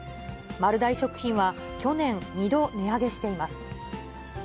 丸大食品は、去年、２度値上げしています。